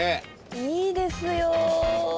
いいですよ。